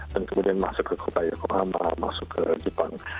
dan kemudian masuk ke kota yokohama masuk ke jepang